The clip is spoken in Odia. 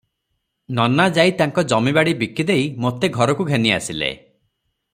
ନନା ଯାଇ ତାଙ୍କ ଜମି ବାଡ଼ି ବିକିଦେଇ ମୋତେ ଘରକୁ ଘେନି ଆସିଲେ ।